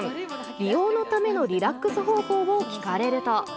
美容のためのリラックス方法を聞かれると。